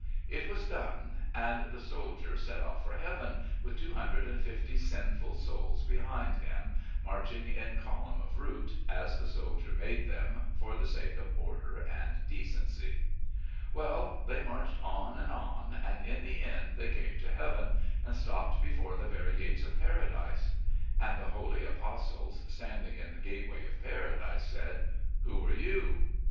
It was done, and the soldier set off for heaven with two hundred and fifty sinful souls behind him, marching in column of route, as the soldier made them for the sake of order and decency. Well, they marched on and on, and in the end they came to heaven, and stopped before the very gates of Paradise. And the holy apostles, standing in the gateway of Paradise, said: "Who are you?"